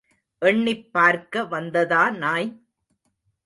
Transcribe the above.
எண்ணிப் பார்க்க வந்ததா நாய்?